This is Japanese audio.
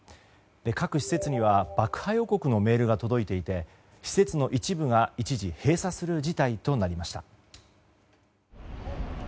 各施設には爆破予告のメールが届いていて施設の一部が一時閉鎖する事態となりました。